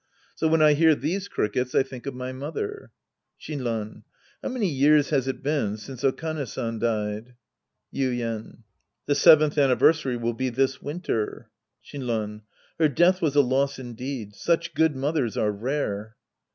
So when I hear these crickets, I think of my mother. Shinran. How many years has it been since Okane San died ? Yuien. The seventh anniversary will be this winter. Shinran. Her death was a loss indeed. Such good mothers are rare.